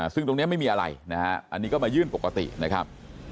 ซึ่งตรงนี้ไม่มีอะไรนะฮะอันนี้ก็มายื่นปกตินะครับ